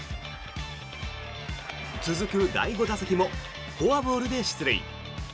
続く第５打席もフォアボールで出塁。